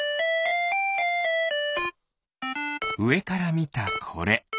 うえからみたこれ。